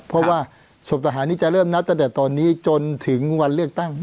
เพราะว่าศพทหารนี้จะเริ่มนับตั้งแต่ตอนนี้จนถึงวันเลือกตั้ง